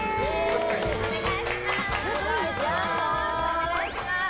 お願いします！